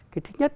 cái thứ nhất